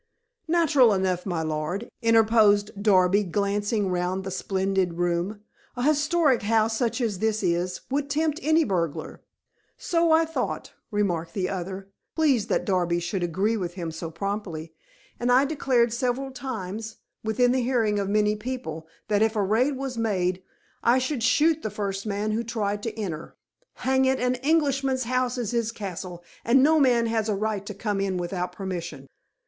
"Natural enough, my lord," interposed Darby, glancing round the splendid room. "A historic house such as this is, would tempt any burglar." "So I thought," remarked the other, pleased that Darby should agree with him so promptly. "And I declared several times, within the hearing of many people, that if a raid was made, I should shoot the first man who tried to enter. Hang it, an Englishman's house is his castle, and no man has a right to come in without permission."